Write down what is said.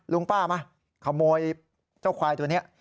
ลุงป้ามาขโมยเจ้าควายตัวนี้